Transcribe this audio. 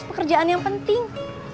pekerjaan yang penting